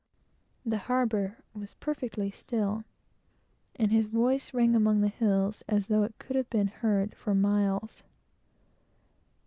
The harbor was perfectly still, and his voice rang among the hills, as though it could have been heard for miles.